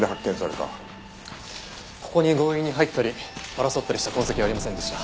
ここに強引に入ったり争ったりした痕跡はありませんでした。